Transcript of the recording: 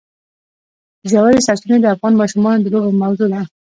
ژورې سرچینې د افغان ماشومانو د لوبو موضوع ده.